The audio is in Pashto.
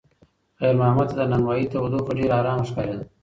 خیر محمد ته د نانوایۍ تودوخه ډېره ارامه ښکارېده.